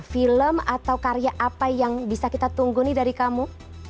film atau karya apa yang bisa kita tunggu nih dari kamu